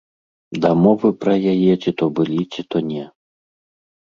Дамовы пра яе ці то былі, ці то не.